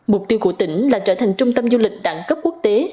mục tiêu của tỉnh là trở thành trung tâm du lịch đẳng cấp quốc tế